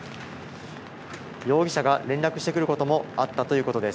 容疑者が連絡してくることもあったということです。